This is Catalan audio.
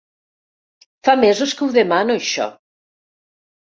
Fa mesos que ho demano, això!